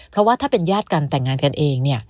เพราะว่าถ้าเป็นญาติกันแต่งงานกันเอง